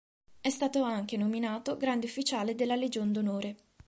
È stato anche nominato Grande Ufficiale della Legion d'onore.